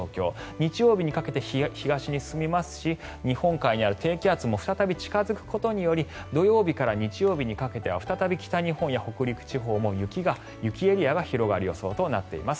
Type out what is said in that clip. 日曜日にかけて東に進みますし日本海にある低気圧も再び近付くことにより土曜日から日曜日にかけては再び北日本や北陸地方も雪エリアが広がる予想となっています。